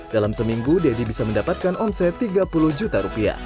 dalam seminggu deddy bisa mendapatkan omset rp tiga puluh juta rupiah